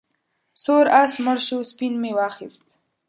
سور آس مړ شو سپین مې واخیست.